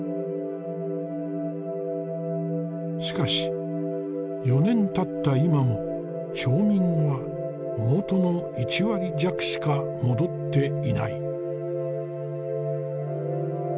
しかし４年たった今も町民はもとの１割弱しか戻っていない。